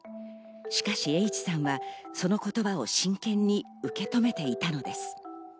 しかしＨさんはその言葉を真剣に受け止めていたのです。